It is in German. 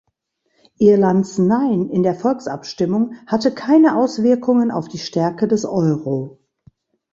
Irlands "Nein" in der Volksabstimmung hatte keine Auswirkungen auf die Stärke des Euro.